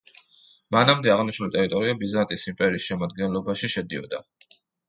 მანამდე აღნიშნული ტერიტორია ბიზანტიის იმპერიის შემადგენლობაში შედიოდა.